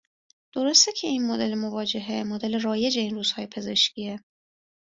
درسته که این مدل مواجهه، مدل رایج این روزهای پزشکیه